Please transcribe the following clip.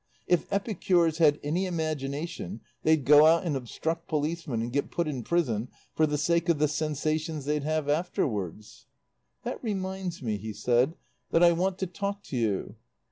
If epicures had any imagination they'd go out and obstruct policemen and get put in prison for the sake of the sensations they'd have afterwards." "That reminds me," he said, "that I want to talk to you.